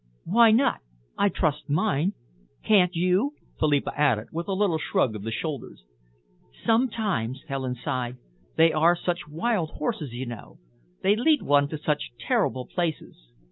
"Why not? I trust mine. Can't you?" Philippa added, with a little shrug of the shoulders. "Sometimes," Helen sighed, "they are such wild horses, you know. They lead one to such terrible places."